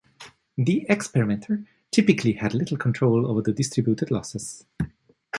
The experimenter typically has little control over the distributed losses.